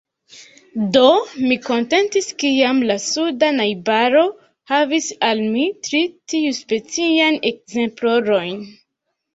Do, mi kontentis, kiam la suda najbaro havigis al mi tri tiuspeciajn ekzemplerojn.